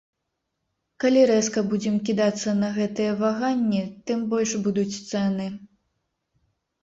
Калі рэзка будзем кідацца на гэтыя ваганні, тым больш будуць цэны.